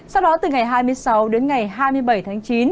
sau đó từ ngày hai mươi sáu đến ngày hai mươi bảy tháng chín